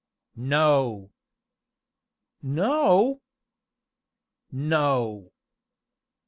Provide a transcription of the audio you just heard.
"No!" "No?"